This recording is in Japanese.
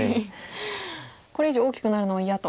これ以上大きくなるのは嫌と。